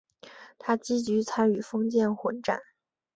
他积极参与封建混战。